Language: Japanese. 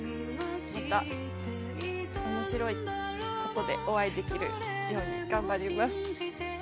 また、おもしろいことでお会いできるように頑張ります。